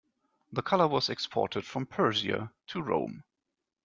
The color was exported from Persia to Rome.